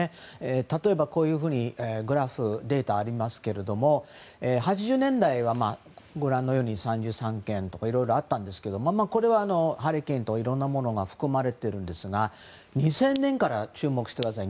例えば、こういうふうにデータがありますけども８０年代はご覧のように３３件とかハリケーンとかいろいろなものが含まれているんですが２０００年から注目してください